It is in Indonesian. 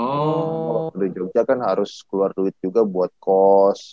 waktu di jogja kan harus keluar duit juga buat kos